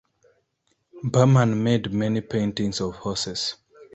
Burman made many paintings of horses.